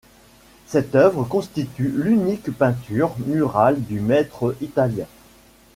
Cette œuvre constitue l'unique peinture murale du maître italien.